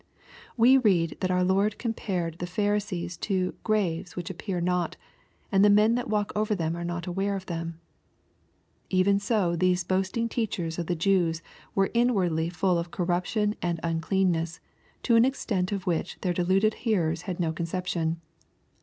We read that our CDpared the Pharisees to " graves which appear i the men that walk over them are not aware ," Even 80 these boasting teachers of the Jews wardly full of corruption and uncleanneas, to an if which their deluded hearers had no conception.